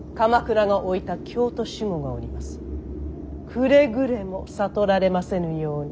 くれぐれも悟られませぬように。